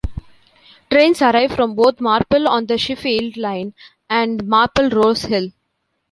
Trains arrive from both Marple on the Sheffield line, and Marple Rose Hill.